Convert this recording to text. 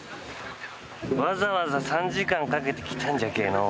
わざわざ３時間かけて来たんじゃけえのう。